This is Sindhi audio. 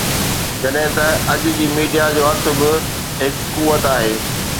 جڏهن ته اڄ جي ميڊيا جو هٿ به هڪ قوت آهي